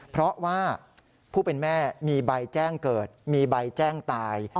เพราะว่าผู้เป็นแม่มีใบแจ้งเกิดมีใบแจ้งตาย